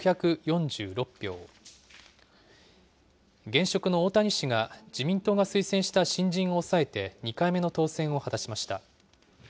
現職の大谷氏が、自民党が推薦した新人を抑えて、２回目の当選を果たしました。